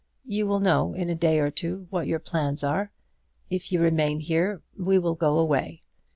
You will know in a day or two what your plans are. If you remain here, we will go away.